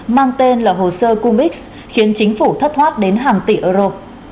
mang tên là hồ sơ cum x khiến chính phủ thất thoát đến hàng tỷ euro